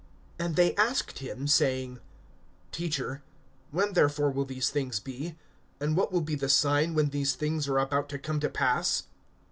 (7)And they asked him, saying: Teacher, when therefore will these things be, and what will be the sign when these things are about to come to pass?